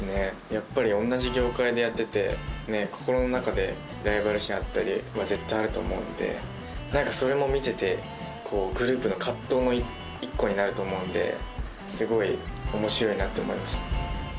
やっぱり同じ業界でやってて心の中でライバル心あったり絶対あると思うんでなんかそれも見ててこうグループの葛藤の１個になると思うんですごい面白いなって思いました